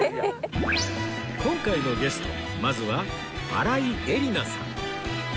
今回のゲストまずは新井恵理那さん